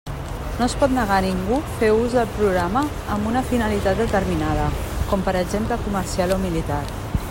No es pot negar a ningú fer ús del programa amb una finalitat determinada, com per exemple comercial o militar.